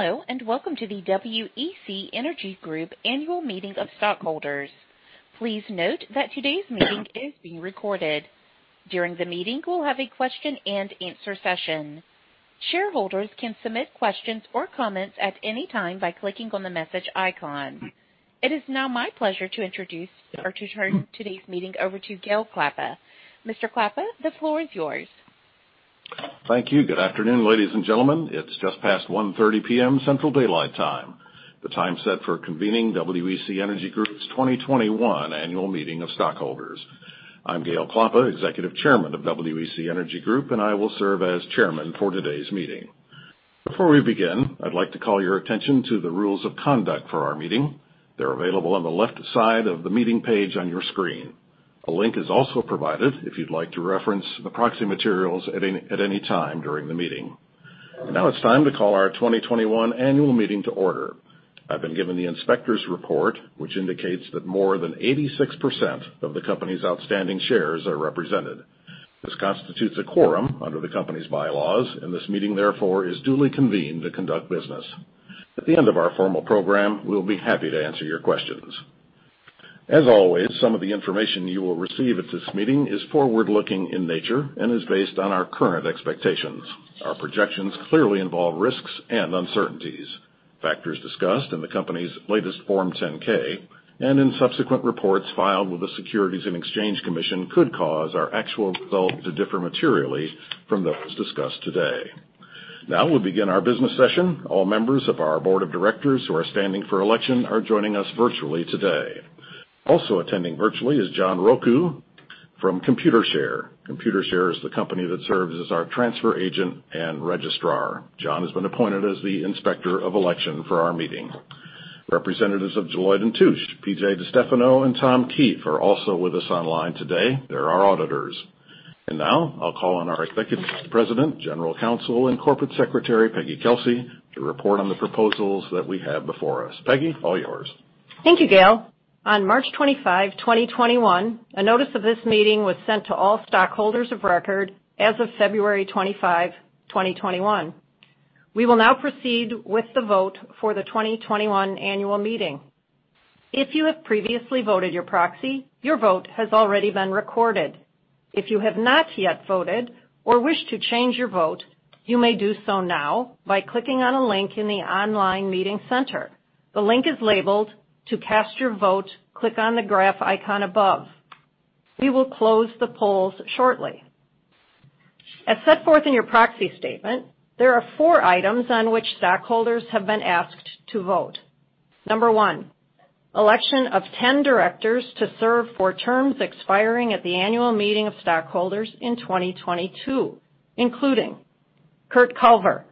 Hello, and welcome to the WEC Energy Group annual meeting of stockholders. Please note that today's meeting is being recorded. During the meeting, we'll have a question-and-answer session. Shareholders can submit questions or comments at any time by clicking on the message icon. It is now my pleasure to introduce or to turn today's meeting over to Gale Klappa. Mr. Klappa, the floor is yours. Thank you. Good afternoon, ladies and gentlemen. It's just past 1:30 P.M. Central Daylight Time, the time set for convening WEC Energy Group's 2021 annual meeting of stockholders. I'm Gale Klappa, Executive Chairman of WEC Energy Group, and I will serve as chairman for today's meeting. Before we begin, I'd like to call your attention to the rules of conduct for our meeting. They're available on the left side of the meeting page on your screen. A link is also provided if you'd like to reference the proxy materials at any time during the meeting. Now it's time to call our 2021 annual meeting to order. I've been given the Inspector's report, which indicates that more than 86% of the company's outstanding shares are represented. This constitutes a quorum under the company's bylaws, and this meeting, therefore, is duly convened to conduct business. At the end of our formal program, we'll be happy to answer your questions. As always, some of the information you will receive at this meeting is forward-looking in nature and is based on our current expectations. Our projections clearly involve risks and uncertainties. Factors discussed in the company's latest Form 10-K and in subsequent reports filed with the Securities and Exchange Commission could cause our actual results to differ materially from those discussed today. We'll begin our business session. All members of our board of directors who are standing for election are joining us virtually today. Also attending virtually is John Ruocco from Computershare. Computershare is the company that serves as our transfer agent and registrar. John has been appointed as the Inspector of Election for our meeting. Representatives of Deloitte & Touche, P.J. DiStefano, and Tom Keefe, are also with us online today. They're our auditors. Now I'll call on our Executive Vice President, General Counsel, and Corporate Secretary, Peggy Kelsey, to report on the proposals that we have before us. Peggy, all yours. Thank you, Gale. On March 25, 2021, a notice of this meeting was sent to all stockholders of record as of February 25, 2021. We will now proceed with the vote for the 2021 annual meeting. If you have previously voted your proxy, your vote has already been recorded. If you have not yet voted or wish to change your vote, you may do so now by clicking on a link in the online meeting center. The link is labeled, "To cast your vote, click on the graph icon above." We will close the polls shortly. As set forth in your proxy statement, there are four items on which stockholders have been asked to vote. Number one, election of 10 directors to serve for terms expiring at the annual meeting of stockholders in 2022, including Curt Culver,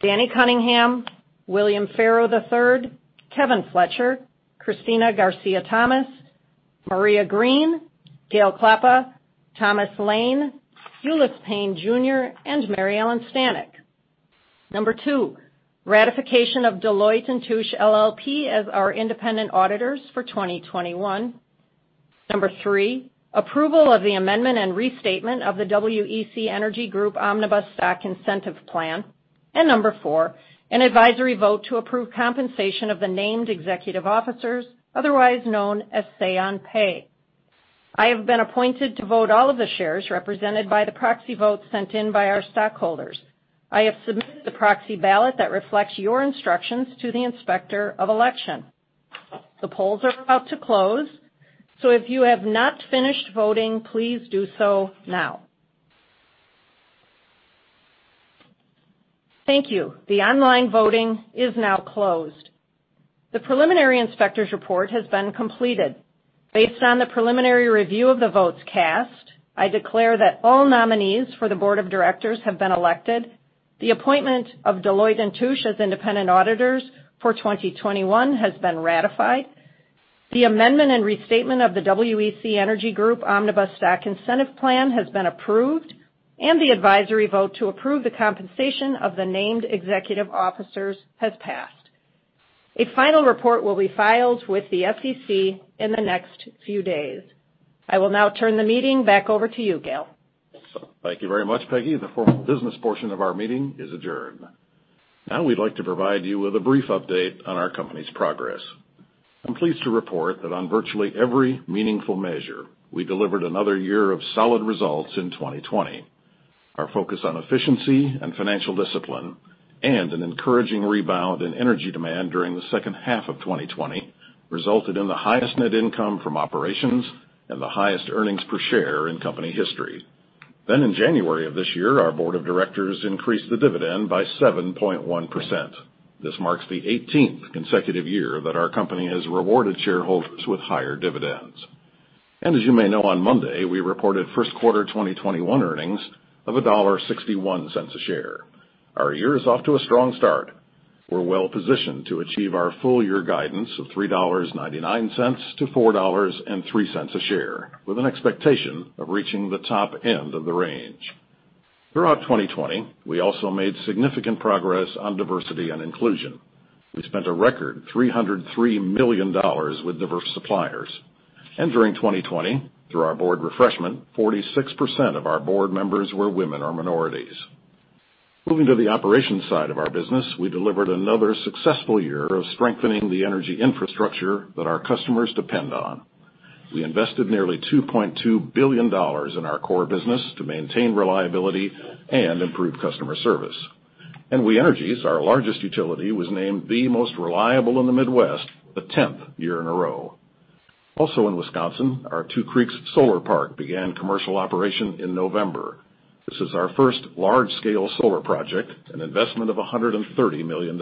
Danny Cunningham, William Farrow III, Kevin Fletcher, Cristina Garcia-Thomas, Maria Green, Gale Klappa, Thomas Lane, Ulice Payne Jr., and Mary Ellen Stanek. Number two, ratification of Deloitte & Touche LLP as our independent auditors for 2021. Number Three, approval of the amendment and restatement of the WEC Energy Group Omnibus Stock Incentive Plan. Number four, an advisory vote to approve compensation of the named executive officers, otherwise known as Say on Pay. I have been appointed to vote all of the shares represented by the proxy votes sent in by our stockholders. I have submitted the proxy ballot that reflects your instructions to the Inspector of Election. The polls are about to close, so if you have not finished voting, please do so now. Thank you. The online voting is now closed. The preliminary inspector's report has been completed. Based on the preliminary review of the votes cast, I declare that all nominees for the board of directors have been elected. The appointment of Deloitte & Touche as independent auditors for 2021 has been ratified. The amendment and restatement of the WEC Energy Group Omnibus Stock Incentive Plan has been approved, and the advisory vote to approve the compensation of the named executive officers has passed. A final report will be filed with the SEC in the next few days. I will now turn the meeting back over to you, Gale. Thank you very much, Peggy. The formal business portion of our meeting is adjourned. We'd like to provide you with a brief update on our company's progress. I'm pleased to report that on virtually every meaningful measure, we delivered another year of solid results in 2020. Our focus on efficiency and financial discipline and an encouraging rebound in energy demand during the second half of 2020 resulted in the highest net income from operations and the highest earnings per share in company history. In January of this year, our board of directors increased the dividend by 7.1%. This marks the 18th consecutive year that our company has rewarded shareholders with higher dividends. As you may know, on Monday, we reported first quarter 2021 earnings of $1.61 a share. Our year is off to a strong start. We're well-positioned to achieve our full-year guidance of $3.99-$4.03 a share, with an expectation of reaching the top end of the range. Throughout 2020, we also made significant progress on diversity and inclusion. We spent a record $303 million with diverse suppliers. During 2020, through our board refreshment, 46% of our board members were women or minorities. Moving to the operations side of our business, we delivered another successful year of strengthening the energy infrastructure that our customers depend on. We invested nearly $2.2 billion in our core business to maintain reliability and improve customer service. We Energies, our largest utility, was named the most reliable in the Midwest the 10th year in a row. Also, in Wisconsin, our Two Creeks Solar Park began commercial operation in November. This is our first large-scale solar project, an investment of $130 million.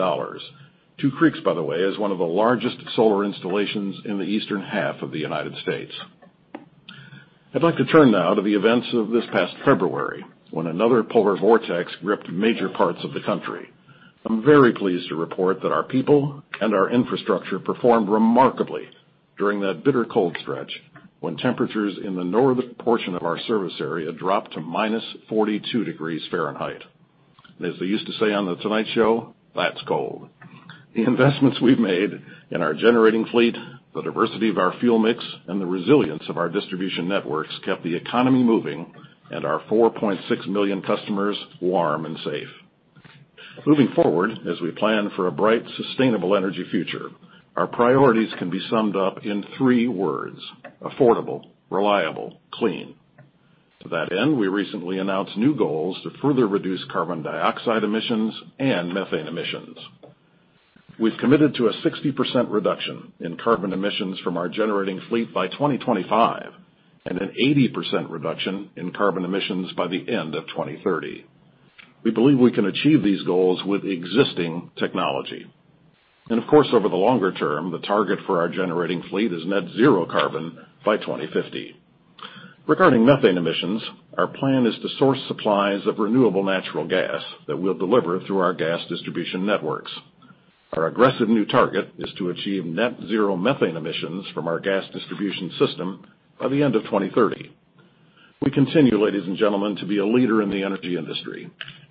Two Creeks, by the way, is one of the largest solar installations in the eastern half of the U.S. I'd like to turn now to the events of this past February, when another polar vortex gripped major parts of the country. I'm very pleased to report that our people and our infrastructure performed remarkably during that bitter cold stretch when temperatures in the northern portion of our service area dropped to minus 42 degrees Fahrenheit. As they used to say on "The Tonight Show," that's cold. The investments we've made in our generating fleet, the diversity of our fuel mix, and the resilience of our distribution networks kept the economy moving and our 4.6 million customers warm and safe. Moving forward, as we plan for a bright, sustainable energy future, our priorities can be summed up in three words: affordable, reliable, clean. To that end, we recently announced new goals to further reduce carbon dioxide emissions and methane emissions. We've committed to a 60% reduction in carbon emissions from our generating fleet by 2025, and an 80% reduction in carbon emissions by the end of 2030. We believe we can achieve these goals with existing technology. Of course, over the longer term, the target for our generating fleet is net zero carbon by 2050. Regarding methane emissions, our plan is to source supplies of renewable natural gas that we'll deliver through our gas distribution networks. Our aggressive new target is to achieve net zero methane emissions from our gas distribution system by the end of 2030. We continue, ladies and gentlemen, to be a leader in the energy industry,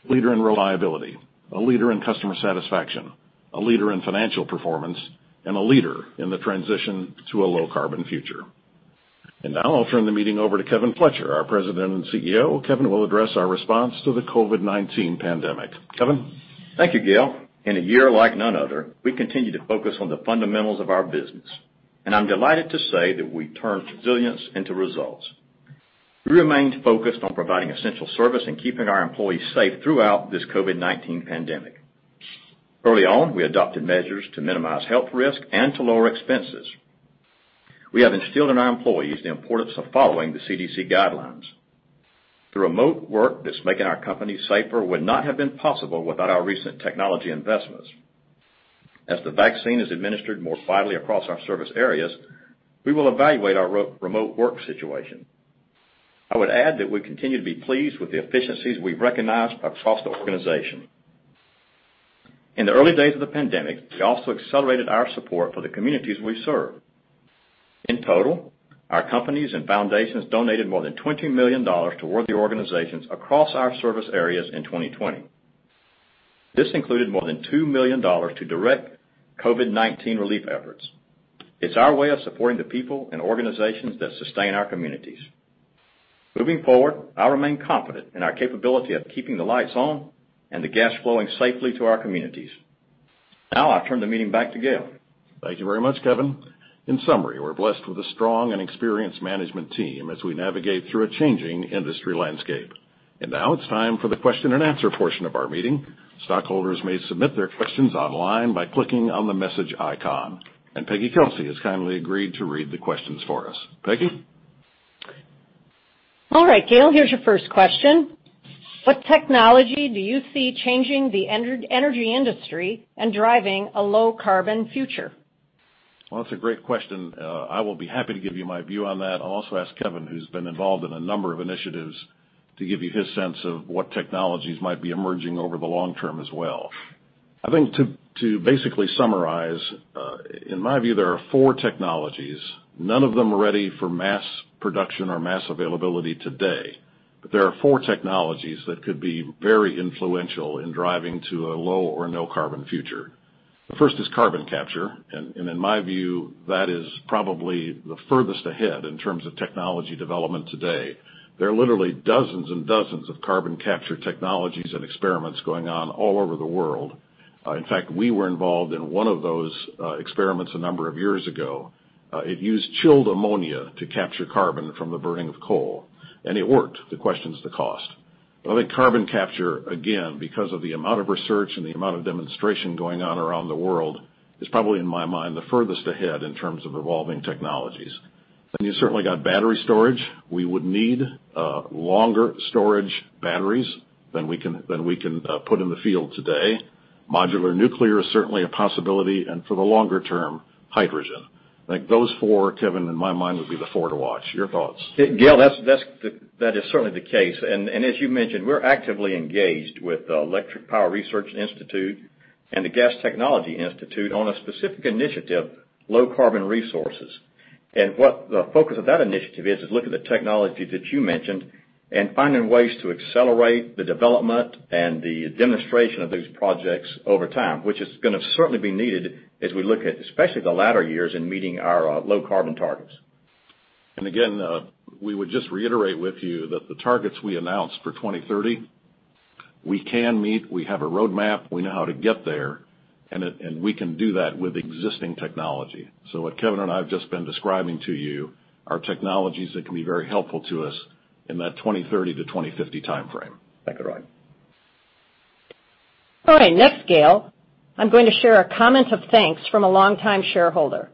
leader in reliability, a leader in customer satisfaction, a leader in financial performance, and a leader in the transition to a low-carbon future. Now I'll turn the meeting over to Kevin Fletcher, our President and CEO. Kevin will address our response to the COVID-19 pandemic. Kevin? Thank you, Gale. In a year like none other, we continue to focus on the fundamentals of our business, and I'm delighted to say that we turned resilience into results. We remained focused on providing essential service and keeping our employees safe throughout this COVID-19 pandemic. Early on, we adopted measures to minimize health risk and to lower expenses. We have instilled in our employees the importance of following the CDC guidelines. The remote work that's making our company safer would not have been possible without our recent technology investments. As the vaccine is administered more widely across our service areas, we will evaluate our remote work situation. I would add that we continue to be pleased with the efficiencies we've recognized across the organization. In the early days of the pandemic, we also accelerated our support for the communities we serve. In total, our companies and foundations donated more than $20 million to worthy organizations across our service areas in 2020. This included more than $2 million to direct COVID-19 relief efforts. It's our way of supporting the people and organizations that sustain our communities. Moving forward, I remain confident in our capability of keeping the lights on and the gas flowing safely to our communities. Now I'll turn the meeting back to Gale. Thank you very much, Kevin. In summary, we're blessed with a strong and experienced management team as we navigate through a changing industry landscape. Now it's time for the question-and-answer portion of our meeting. Stockholders may submit their questions online by clicking on the message icon, and Peggy Kelsey has kindly agreed to read the questions for us. Peggy? All right, Gale, here's your first question. What technology do you see changing the energy industry and driving a low-carbon future? Well, that's a great question. I will be happy to give you my view on that, and I'll also ask Kevin, who's been involved in a number of initiatives, to give you his sense of what technologies might be emerging over the long term as well. I think to basically summarize, in my view, there are four technologies. None of them are ready for mass production or mass availability today, but there are four technologies that could be very influential in driving to a low or no-carbon future. The first is carbon capture, and in my view, that is probably the furthest ahead in terms of technology development today. There are literally dozens and dozens of carbon capture technologies and experiments going on all over the world. In fact, we were involved in one of those experiments a number of years ago. It used chilled ammonia to capture carbon from the burning of coal. It worked. The question's the cost. I think carbon capture, again, because of the amount of research and the amount of demonstration going on around the world, is probably, in my mind, the furthest ahead in terms of evolving technologies. You've certainly got battery storage. We would need longer storage batteries than we can put in the field today. Modular nuclear is certainly a possibility, and for the longer term, hydrogen. I think those four, Kevin, in my mind, would be the four to watch. Your thoughts? Gale, that is certainly the case, as you mentioned, we're actively engaged with the Electric Power Research Institute and the Gas Technology Institute on a specific initiative, low-carbon resources. What the focus of that initiative is look at the technologies that you mentioned. Finding ways to accelerate the development and the demonstration of those projects over time, which is going to certainly be needed as we look at especially the latter years in meeting our low carbon targets. Again, we would just reiterate with you that the targets we announced for 2030, we can meet, we have a roadmap, we know how to get there, and we can do that with existing technology. What Kevin and I have just been describing to you are technologies that can be very helpful to us in that 2030 to 2050 timeframe. Thank you, Gale. All right. Next, Gale, I'm going to share a comment of thanks from a longtime shareholder.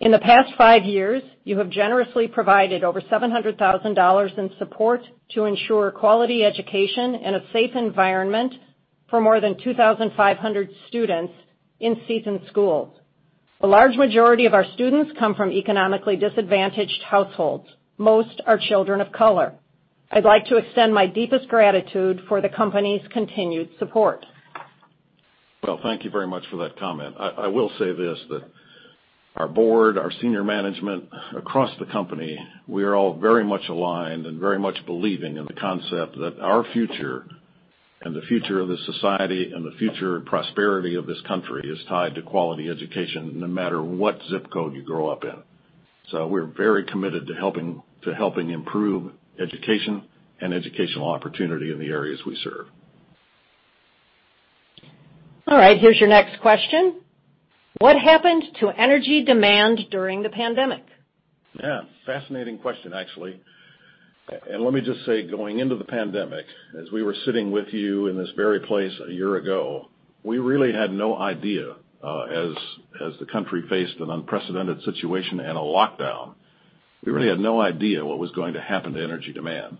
In the past five years, you have generously provided over $700,000 in support to ensure quality education and a safe environment for more than 2,500 students in Seton School. A large majority of our students come from economically disadvantaged households. Most are children of color. I'd like to extend my deepest gratitude for the company's continued support. Well, thank you very much for that comment. I will say this, that our board, our senior management across the company, we are all very much aligned and very much believing in the concept that our future and the future of this society and the future prosperity of this country is tied to quality education, no matter what ZIP code you grow up in. We're very committed to helping improve education and educational opportunity in the areas we serve. All right, here's your next question. What happened to energy demand during the pandemic? Yeah, fascinating question, actually. Let me just say, going into the pandemic, as we were sitting with you in this very place a year ago, we really had no idea, as the country faced an unprecedented situation and a lockdown. We really had no idea what was going to happen to energy demand.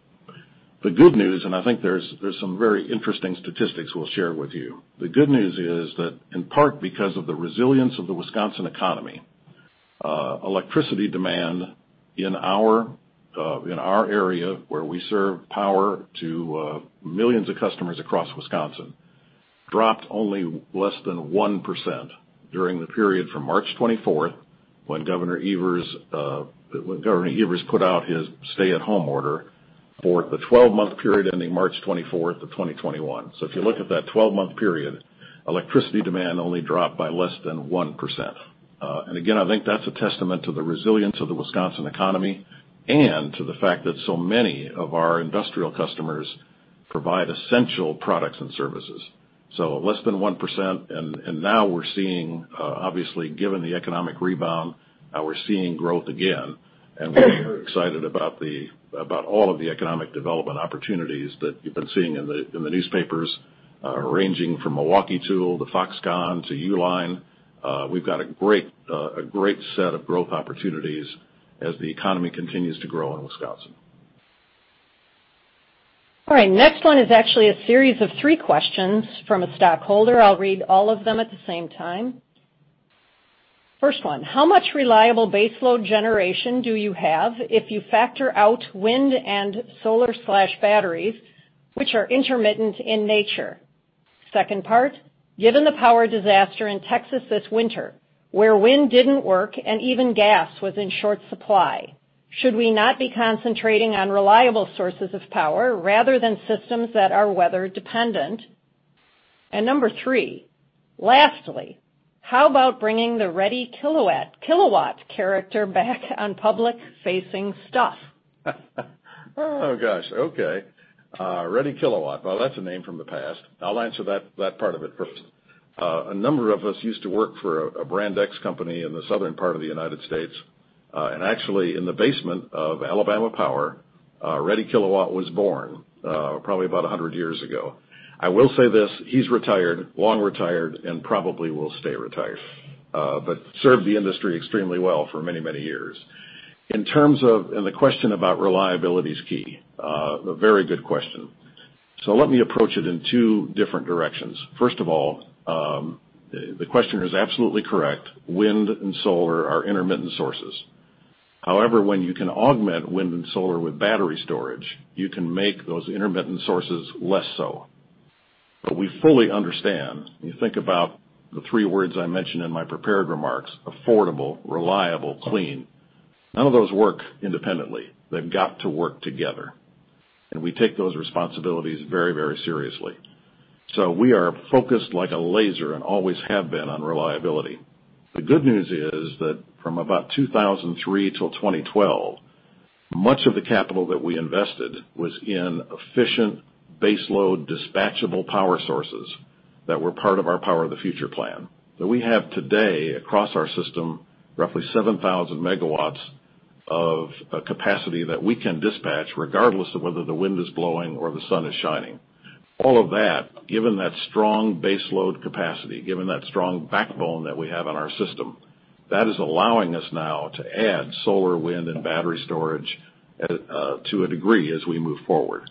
The good news, and I think there's some very interesting statistics we'll share with you. The good news is that in part, because of the resilience of the Wisconsin economy, electricity demand in our area where we serve power to millions of customers across Wisconsin, dropped only less than 1% during the period from March 24th, when Tony Evers put out his stay-at-home order for the 12-month period ending March 24th of 2021. If you look at that 12-month period, electricity demand only dropped by less than 1%. Again, I think that's a testament to the resilience of the Wisconsin economy and to the fact that so many of our industrial customers provide essential products and services. Less than 1%, and now we're seeing, obviously, given the economic rebound, we're seeing growth again, and we're excited about all of the economic development opportunities that you've been seeing in the newspapers, ranging from Milwaukee Tool to Foxconn to Uline. We've got a great set of growth opportunities as the economy continues to grow in Wisconsin. All right. Next one is actually a series of three questions from a stockholder. I'll read all of them at the same time. First one, how much reliable base load generation do you have if you factor out wind and solar/batteries, which are intermittent in nature? Second part, given the power disaster in Texas this winter, where wind didn't work and even gas was in short supply, should we not be concentrating on reliable sources of power rather than systems that are weather-dependent? Number three, lastly, how about bringing the Reddy Kilowatt character back on public-facing stuff? Oh, gosh. Okay. Reddy Kilowatt. Well, that's a name from the past. I'll answer that part of it first. A number of us used to work for a brand X company in the southern part of the U.S. Actually, in the basement of Alabama Power, Reddy Kilowatt was born, probably about 100 years ago. I will say this, he's retired, long retired, and probably will stay retired, but served the industry extremely well for many, many years. In terms of, the question about reliability is key. A very good question. Let me approach it in two different directions. First of all, the questioner is absolutely correct. Wind and solar are intermittent sources. When you can augment wind and solar with battery storage, you can make those intermittent sources less so. We fully understand, when you think about the three words I mentioned in my prepared remarks, affordable, reliable, clean, none of those work independently. They've got to work together, and we take those responsibilities very seriously. We are focused like a laser and always have been on reliability. The good news is that from about 2003 till 2012, much of the capital that we invested was in efficient baseload dispatchable power sources that were part of our Power the Future plan. That we have today across our system, roughly 7,000 megawatts of capacity that we can dispatch regardless of whether the wind is blowing or the sun is shining. All of that, given that strong baseload capacity, given that strong backbone that we have in our system, that is allowing us now to add solar, wind, and battery storage to a degree as we move forward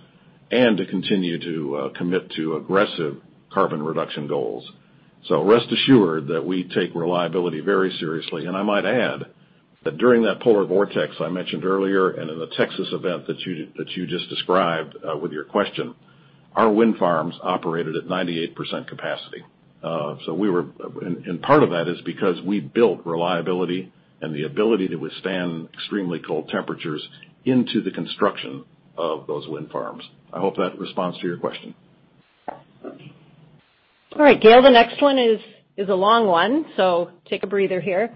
and to continue to commit to aggressive carbon reduction goals. Rest assured that we take reliability very seriously. I might add that during that polar vortex I mentioned earlier and in the Texas event that you just described with your question. Our wind farms operated at 98% capacity. Part of that is because we built reliability and the ability to withstand extremely cold temperatures into the construction of those wind farms. I hope that responds to your question. All right, Gale, the next one is a long one, so take a breather here.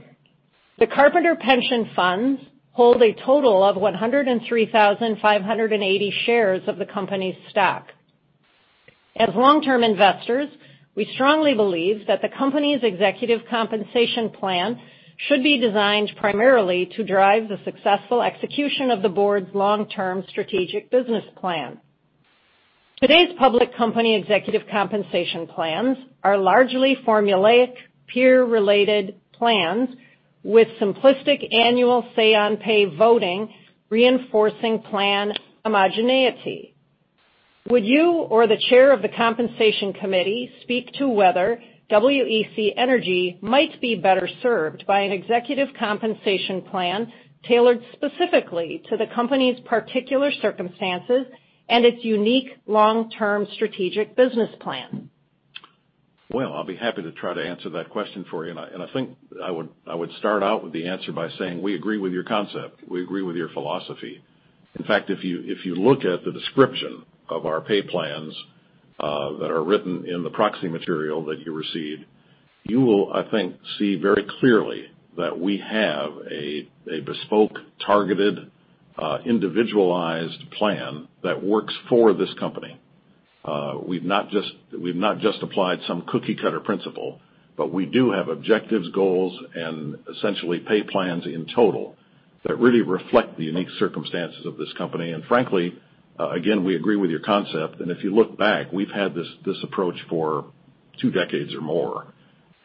The Carpenter Pension Funds hold a total of 103,580 shares of the company's stock. As long-term investors, we strongly believe that the company's executive compensation plan should be designed primarily to drive the successful execution of the board's long-term strategic business plan. Today's public company executive compensation plans are largely formulaic, peer-related plans with simplistic annual Say on Pay voting, reinforcing plan homogeneity. Would you or the chair of the compensation committee speak to whether WEC Energy might be better served by an executive compensation plan tailored specifically to the company's particular circumstances and its unique long-term strategic business plan? Well, I'll be happy to try to answer that question for you, and I think I would start out with the answer by saying we agree with your concept. We agree with your philosophy. In fact, if you look at the description of our pay plans that are written in the proxy material that you received, you will, I think, see very clearly that we have a bespoke, targeted, individualized plan that works for this company. We've not just applied some cookie-cutter principle, but we do have objectives, goals, and essentially pay plans in total that really reflect the unique circumstances of this company. Frankly, again, we agree with your concept, and if you look back, we've had this approach for two decades or more.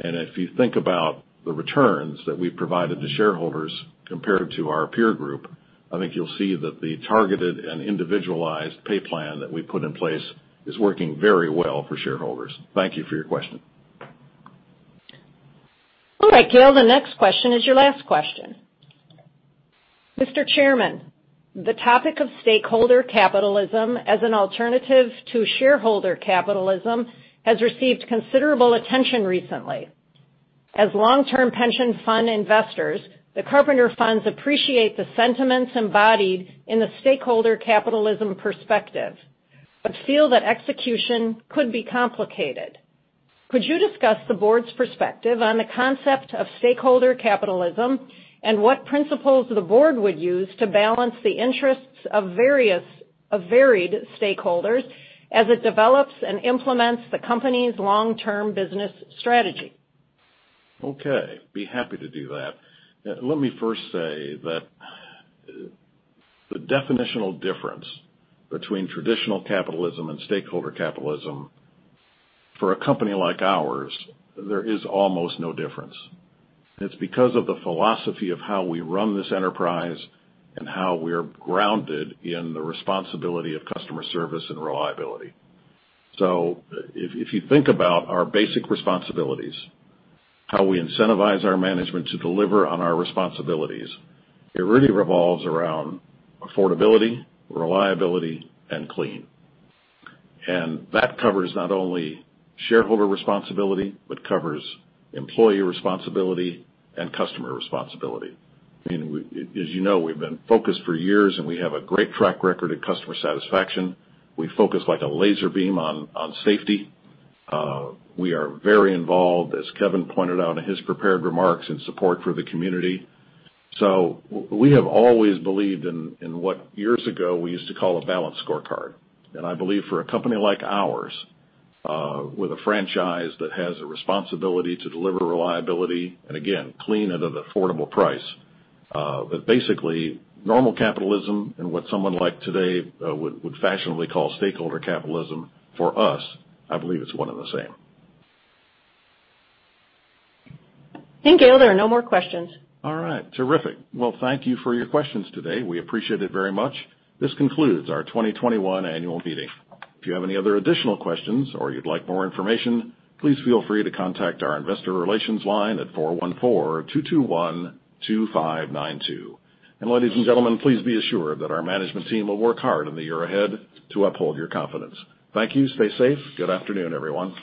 If you think about the returns that we've provided to shareholders compared to our peer group, I think you'll see that the targeted and individualized pay plan that we put in place is working very well for shareholders. Thank you for your question. All right, Gale, the next question is your last question. Mr. Chairman, the topic of stakeholder capitalism as an alternative to shareholder capitalism has received considerable attention recently. As long-term pension fund investors, the Carpenter Funds appreciate the sentiments embodied in the stakeholder capitalism perspective, but feel that execution could be complicated. Could you discuss the board's perspective on the concept of stakeholder capitalism and what principles the board would use to balance the interests of varied stakeholders as it develops and implements the company's long-term business strategy? Okay, be happy to do that. Let me first say that the definitional difference between traditional capitalism and stakeholder capitalism for a company like ours, there is almost no difference. It's because of the philosophy of how we run this enterprise and how we're grounded in the responsibility of customer service and reliability. If you think about our basic responsibilities, how we incentivize our management to deliver on our responsibilities, it really revolves around affordability, reliability, and clean. That covers not only shareholder responsibility, but covers employee responsibility and customer responsibility. As you know, we've been focused for years, and we have a great track record of customer satisfaction. We focus like a laser beam on safety. We are very involved, as Kevin pointed out in his prepared remarks, in support for the community. We have always believed in what years ago we used to call a balanced scorecard. I believe for a company like ours, with a franchise that has a responsibility to deliver reliability and again, clean and at an affordable price. Basically, normal capitalism and what someone like today would fashionably call stakeholder capitalism, for us, I believe it's one and the same. Thank you. There are no more questions. All right. Terrific. Well, thank you for your questions today. We appreciate it very much. This concludes our 2021 annual meeting. If you have any other additional questions or you'd like more information, please feel free to contact our investor relations line at 414-221-2592. Ladies and gentlemen, please be assured that our management team will work hard in the year ahead to uphold your confidence. Thank you. Stay safe. Good afternoon, everyone.